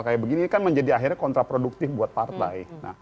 kayak begini ini kan menjadi akhirnya kontraproduktif buat partai